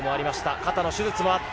肩の手術もあった。